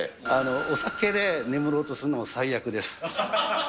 お酒で眠ろうとするのは最悪です。